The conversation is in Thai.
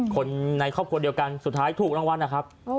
คนในครอบครัวเดียวกันสุดท้ายถูกรางวัลนะครับ